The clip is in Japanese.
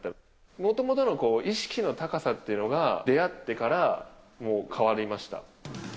もともとの意識の高さっていうのが、出会ってからもう変わりました。